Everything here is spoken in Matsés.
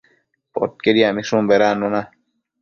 Poquied yacmishun bedannuna